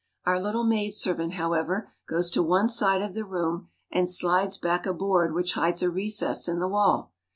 Our little maidservant, however, goes to one side of the room, and slides back a board which hides a recess in the wall.